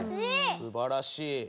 すばらしい。